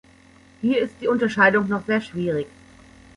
Hier ist die Unterscheidung noch sehr schwierig.